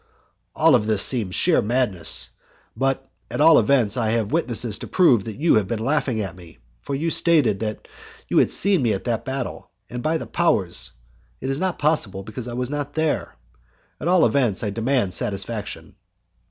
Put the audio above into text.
"All this seems to me sheer madness, but, at all events, I have witnesses to prove that you have been laughing at me, for you stated that you had seen me at that battle, and, by the powers! it is not possible, because I was not there. At all events, I demand satisfaction."